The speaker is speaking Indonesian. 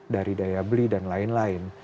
dari daya beli dan lain lain